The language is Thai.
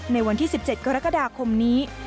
ในวันที่๑๗กรกฎาคมนี้